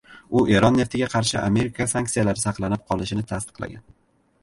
U Eron neftiga qarshi Amerika sanksiyalari saqlanib qolishini tasdiqlagan